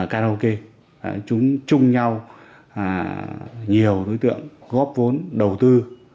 karaoke chúng chung chung nhau nhiều đối tượng góp vốn đầu tư